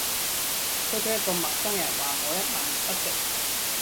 區區一個陌生人話我一文不值